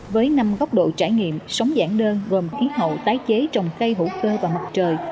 với năm góc độ trải nghiệm sống giản đơn gồm khí hậu tái chế trồng cây hữu cơ và mặt trời